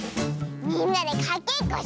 みんなでかけっこしようズル。